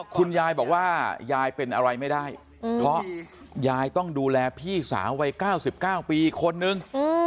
คุณยายบอกว่ายายเป็นอะไรไม่ได้เพราะยายต้องดูแลพี่สาววัย๙๙ปีอีกคนนึง